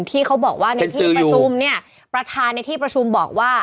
ที่เขาบอกว่าในที่ประชุมเนี่ยประธานในที่ประชุมบอกว่า